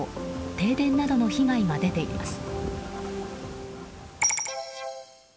停電などの被害が出ています。